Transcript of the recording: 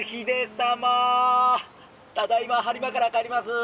ただいま播磨から帰ります。